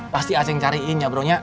pasti acing cariin ya bro